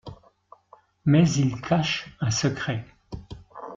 Mais il cache un secret...